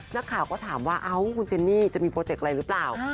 นักข่าวก็ถามว่าเอ้าคุณเจนนี่จะมีโปรเจกต์อะไรหรือเปล่า